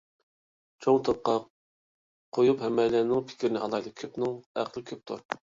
چوڭ توپقا قويۇپ ھەممەيلەننىڭ پىكرىنى ئالايلى. كۆپنىڭ ئەقلى كۆپتۇر.